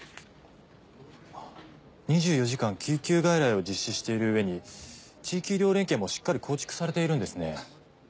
２４時間救急外来を実施しているうえに地域医療連携もしっかり構築されているんですね。